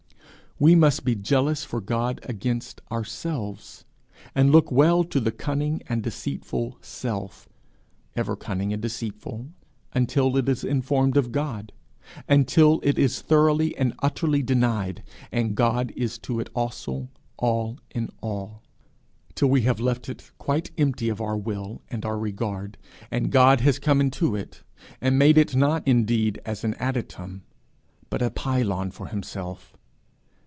We must be jealous for God against ourselves, and look well to the cunning and deceitful Self ever cunning and deceitful until it is informed of God until it is thoroughly and utterly denied, and God is to it also All in all till we have left it quite empty of our will and our regard, and God has come into it, and made it not indeed an adytum, but a pylon for himself.